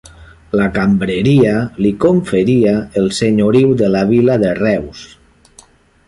La Cambreria li conferia el senyoriu de la vila de Reus.